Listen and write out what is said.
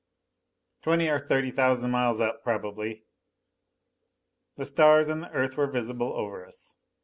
"Twenty or thirty thousand miles up, probably." The stars and the Earth were visible over us.